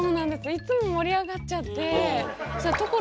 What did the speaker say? いつも盛り上がっちゃって。